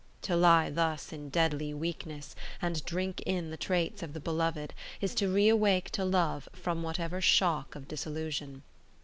To lie thus in deadly weakness and drink in the traits of the beloved, is to reawake to love from whatever shock of disillusion.